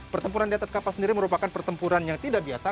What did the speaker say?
pertempuran di atas kapal sendiri merupakan pertempuran yang tidak biasa